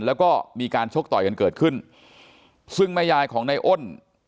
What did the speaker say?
แล้วก็มีการชกต่อยกันเกิดขึ้นซึ่งแม่ยายของในอ้น